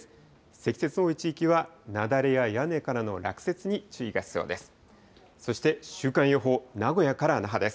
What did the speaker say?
積雪の多い地域は、雪崩や屋根からの落雪に注意が必要です。